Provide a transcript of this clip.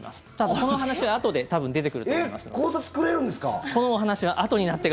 この話はあとで多分出てくると思いますので。